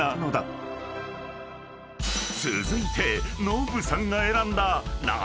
［続いて］